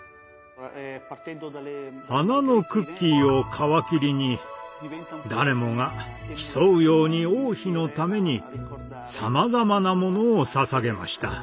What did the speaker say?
花のクッキーを皮切りに誰もが競うように王妃のためにさまざまなものをささげました。